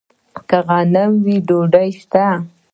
که غنم وي، ډوډۍ شته.